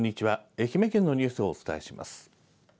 愛媛県のニュースをお伝えします。